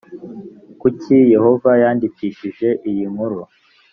kuki yehova yandikishije iyi nkuru?